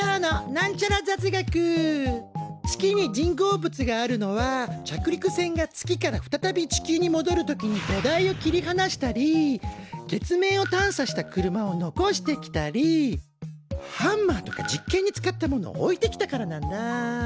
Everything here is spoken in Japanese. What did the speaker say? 月に人工物があるのは着陸船が月から再び地球にもどる時に土台を切りはなしたり月面を探査した車を残してきたりハンマーとか実験に使ったものを置いてきたからなんだ。